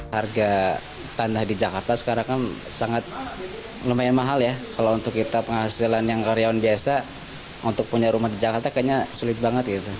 harga tanda di jakarta sekarang kan sangat lumayan mahal ya kalau untuk kita penghasilan yang karyawan biasa untuk punya rumah di jakarta kayaknya sulit banget gitu